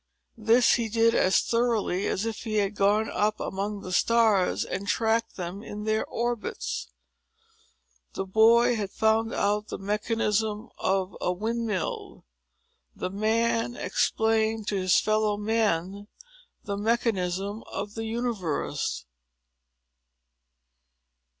This he did as thoroughly as if he had gone up among the stars, and tracked them in their orbits. The boy had found out the mechanism of a windmill; the man explained to his fellow men the mechanism of the universe.